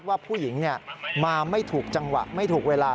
ว่าผู้หญิงมาไม่ถูกจังหวะไม่ถูกเวลา